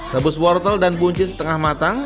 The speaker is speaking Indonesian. rebus wortel dan bunci setengah matang